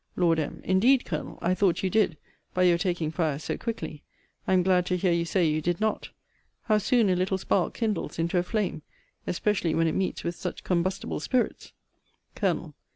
Lord M. Indeed, Colonel, I thought you did, by your taking fire so quickly. I am glad to hear you say you did not. How soon a little spark kindles into a flame; especially when it meets with such combustible spirits! Col.